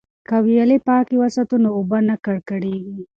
که ویالې پاکې وساتو نو اوبه نه ککړیږي.